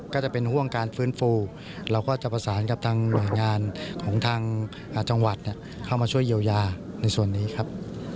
ของทางจังหวัดเข้ามาช่วยเยียวยาที่ส่วนนี้ครับ